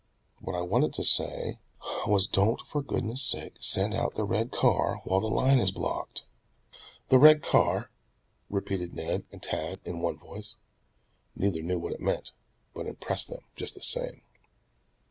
What I wanted to say was don't for goodness' sake send out the red car while the line is blocked." "The red car," repeated Ned and Tad in one voice. Neither knew what it meant, but impressed them just the same.